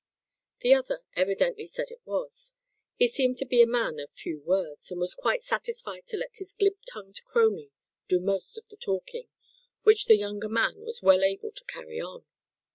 The other evidently said it was. He seemed to be a man of few words, and was quite satisfied to let his glib tongued crony do most of the talking, which the younger man was well able to carry on.